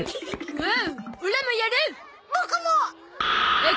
うん！